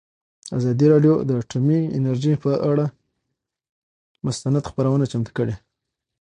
ازادي راډیو د اټومي انرژي پر اړه مستند خپرونه چمتو کړې.